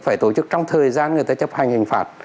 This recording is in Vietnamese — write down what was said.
phải tổ chức trong thời gian người ta chấp hành hình phạt